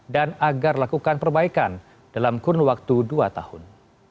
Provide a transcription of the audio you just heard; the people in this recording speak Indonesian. dan agar lakukan perbaikan dalam kurun waktu dua tahun